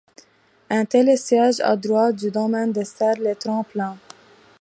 Un télésiège, à droite du domaine, dessert les tremplins.